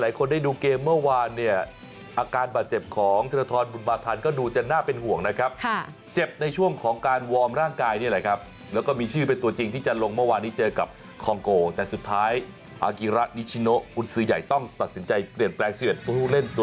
หลายคนได้ดูเกมเมื่อวานเนี่ยอาการบาดเจ็บของธนทรบุญบาทันก็ดูจะน่าเป็นห่วงนะครับค่ะเจ็บในช่วงของการวอร์มร่างกายนี่แหละครับแล้วก็มีชื่อเป็นตัวจริงที่จะลงเมื่อวานนี้เจอกับคอร์งโกแต่สุดท้ายอากิระนิชชิโนอุนซื้อ